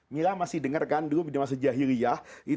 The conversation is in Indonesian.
mila masih dengar kan dulu di masa jahiliyah